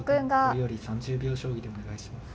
これより３０秒将棋でお願いします。